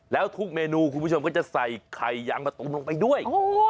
แล้วทุกเมนูคุณผู้ชมก็จะใส่ไข่ยางมาตุ๋มลงไปด้วย